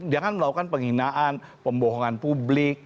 jangan melakukan penghinaan pembohongan publik